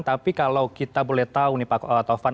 tapi kalau kita boleh tahu nih pak taufan